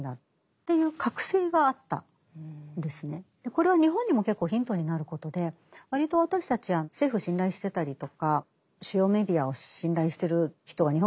これは日本にも結構ヒントになることで割と私たち政府を信頼してたりとか主要メディアを信頼してる人が日本って多いんですけどもでもお任せじゃなくて